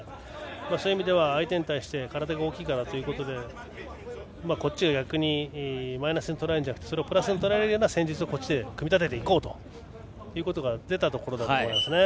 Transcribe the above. そういう意味では相手に対して体が大きいからということでマイナスにとらえずにそれをプラスにとらえるような戦術を組み立てていこうというところが出たところだと思います。